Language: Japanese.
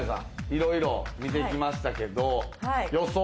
いろいろ見て来ましたけど。